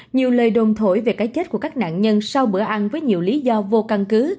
nhiều lời đồn thổi về cái chết của các nạn nhân sau bữa ăn với nhiều lý do vô căn cứ